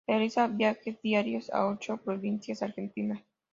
Realiza viajes diarios a ocho provincias argentinas.